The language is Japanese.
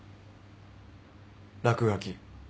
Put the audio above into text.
落書き。